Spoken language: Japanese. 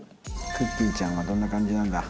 クッキーちゃんはどんな感じなんだ？